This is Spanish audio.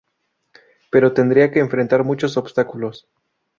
Pero tendrá que enfrentar muchos obstáculos.